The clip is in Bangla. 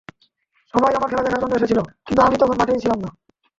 সবাই আমার খেলা দেখার জন্য এসেছিল, কিন্তু আমি তখন মাঠেই ছিলাম না।